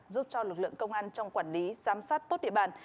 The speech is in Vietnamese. giúp cho lực lượng công an trong quản lý giám sát tốt địa bàn